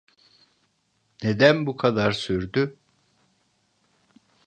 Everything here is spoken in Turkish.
Neden bu kadar sürdü?